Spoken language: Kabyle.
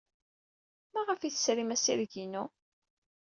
Maɣef ay tesrim assireg-inu?